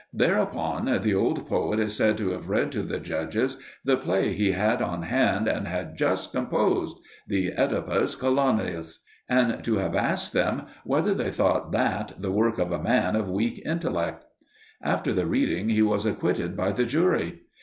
There upon the old poet is said to have read to the judges the play he had on hand and had just composed the Oedipus Coloneus and to have asked them whether they thought that the work of a man of weak intellect. After the reading he was acquitted by the jury.